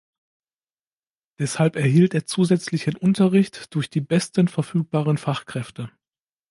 Deshalb erhielt er zusätzlichen Unterricht durch die besten verfügbaren Fachkräfte.